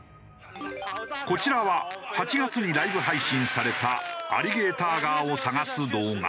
こちらは８月にライブ配信されたアリゲーターガーを探す動画。